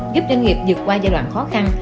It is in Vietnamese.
giúp doanh nghiệp dược qua giai đoạn khó khăn